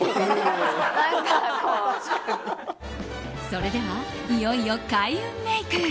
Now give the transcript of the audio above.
それではいよいよ開運メイク。